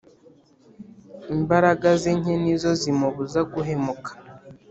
imbaraga ze nke ni zo zimubuza guhemuka,